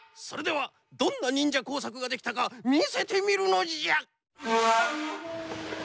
それではどんなにんじゃこうさくができたかみせてみるのじゃ！